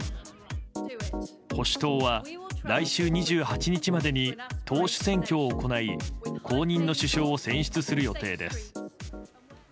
保守党は来週２８日までに党首選挙を行い後任の首相を選出する予定です。